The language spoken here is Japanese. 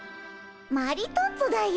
マリトッツォだよ。